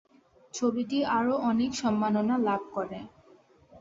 ছবিটি আরও অনেক সম্মাননা লাভ করে।